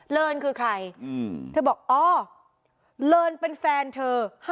เลินคือใครเธอบอกอ๋อเลินเป็นแฟนเธอ